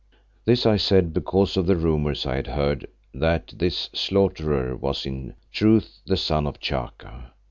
This I said because of the rumours I had heard that this Slaughterer was in truth the son of Chaka.